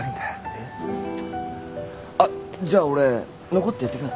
えっ？あっじゃあ俺残ってやってきますから。